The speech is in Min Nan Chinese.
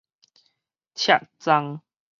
赤鯮